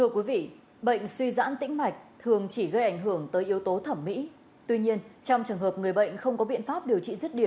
các bạn hãy đăng ký kênh để ủng hộ kênh của chúng mình nhé